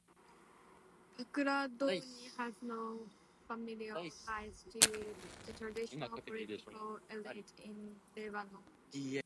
Pakradouni has no familial ties to the traditional political elite in Lebanon.